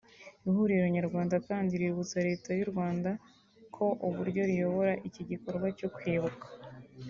Ihuriro Nyarwanda kandi riributsa Leta y’ u Rwanda ko uburyo riyobora iki gikorwa cyo kwibuka